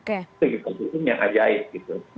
atau hukum yang ajaib